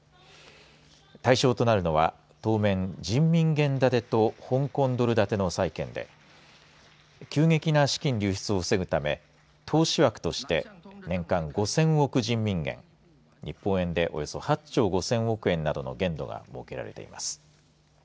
対象となるのは当面、人民元建てと香港ドル建ての債券で急激な資金流出を防ぐため投資枠として年間５０００億人民元日本円でおよそ８兆５０００億円などの限度が設けられています。